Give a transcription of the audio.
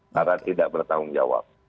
para tidak bertanggung jawab